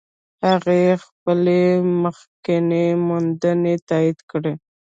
هغې خپلې مخکینۍ موندنې تایید کړې.